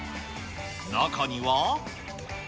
中には。